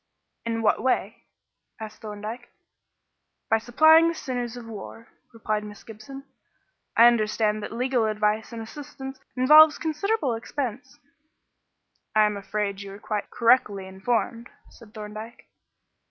"In what way?" asked Thorndyke. "By supplying the sinews of war," replied Miss Gibson. "I understand that legal advice and assistance involves considerable expense." "I am afraid you are quite correctly informed," said Thorndyke.